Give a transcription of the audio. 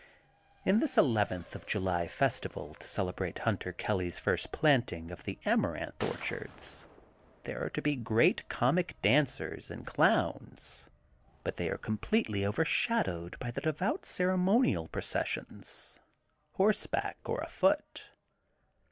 In this eleventh of July festival to cele brate Hunter Kelly *s first planting of the Amaranth Orchards, there are to be great comic dancers, and clowns, but they are com pletely overshadowed by the devout ceremo nial processions, horseback or afoot.